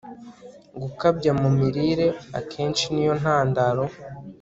Gukabya mu mirire akenshi ni yo ntandaro